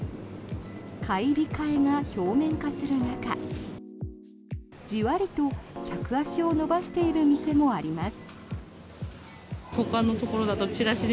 買い控えが表面化する中じわりと客足を伸ばしている店もあります。